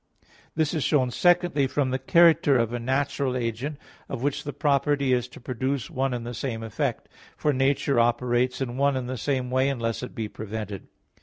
This is shown, secondly, from the character of a natural agent, of which the property is to produce one and the same effect; for nature operates in one and the same way unless it be prevented.